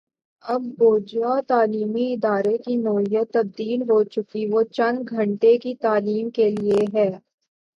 اب بوجوہ تعلیمی ادارے کی نوعیت تبدیل ہو چکی وہ چند گھنٹے کی تعلیم کے لیے ہے۔